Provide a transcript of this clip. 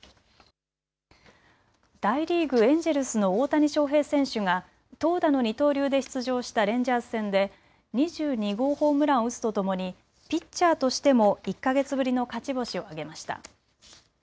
大リーグ、エンジェルスの大谷翔平選手が投打の二刀流で出場したレンジャーズ戦で２２号ホームランを打つとともにピッチャーとしても１か月ぶりの勝ち星を挙げました。